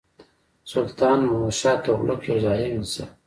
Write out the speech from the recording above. سلطان محمدشاه تغلق یو ظالم انسان وو.